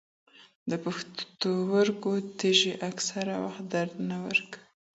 د پښتورګو تېږې اکثره وخت درد نه ورکوي.